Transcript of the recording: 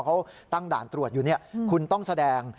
เขาตั้งด่านตรวจอยู่คุณต้องแสดง